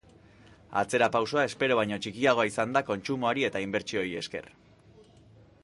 Atzerapausoa espero baino txikiagoa izan da kontsumoari eta inbertsioei esker.